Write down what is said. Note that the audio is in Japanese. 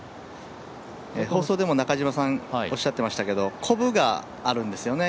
放送でも中嶋さんおっしゃっていましたけどコブがあるんですよね